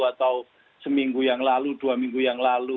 atau seminggu yang lalu dua minggu yang lalu